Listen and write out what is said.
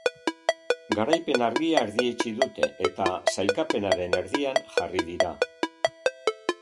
Garaipen argia erdietsi dute, eta sailkapenaren erdian jarri dira.